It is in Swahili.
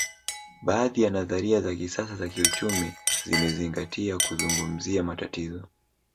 Baadhi ya nadharia za kisasa za kiuchumi zimezingatia kuzungumzia matatizo